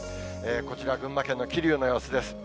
こちら、群馬県の桐生の様子です。